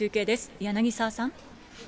柳沢さん。